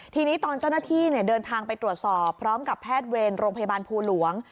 ทีนี้ตอนเจ้าหน้าที่เดินทางไปตรวจสอบพร้อมกับแพทย์เวรโรงพยาบาลภูหลวง